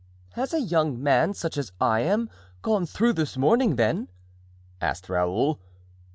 "Has a young man, such as I am, gone through this morning, then?" asked Raoul.